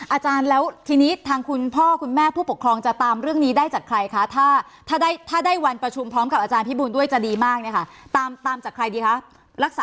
อาจารย์แล้วทีนี้ทางคุณพ่อคุณแม่ผู้ปกครองจะตามเรื่องนี้ได้จากใครคะถ้าได้ถ้าได้วันประชุมพร้อมกับอาจารย์พี่บูลด้วยจะดีมากเนี่ยค่ะตามจากใครดีคะ